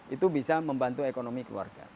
itu bisa membantu ekonomi keluarga